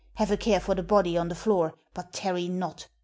Have a care for the body on the floor, but tarry not.